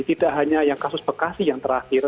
tidak hanya yang kasus bekasi yang terakhir